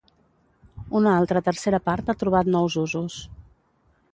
Una altra tercera part ha trobat nous usos.